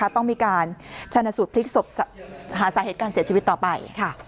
ต้องมีการชนะสูตรพลิกศพหาสาเหตุการเสียชีวิตต่อไป